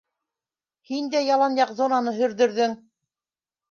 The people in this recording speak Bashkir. - Һин дә ялан яҡ зонаны һөрҙөрҙөң.